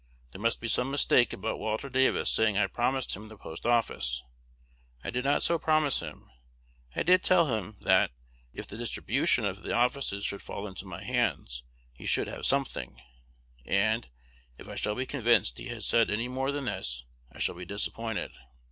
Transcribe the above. There must be some mistake about Walter Davis saying I promised him the Post office. I did not so promise him. I did tell him, that, if the distribution of the offices should fall into my hands, he should have something; and, if I shall be convinced he has said any more than this, I shall be disappointed.